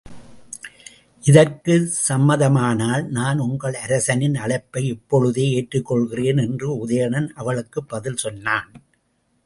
இதற்குச் சம்மதமானால் நான் உங்கள் அரசனின் அழைப்பை இப்பொழுதே ஏற்றுக் கொள்ளுகின்றேன் என்று உதயணன் அவளுக்குப் பதில் சொன்னான்.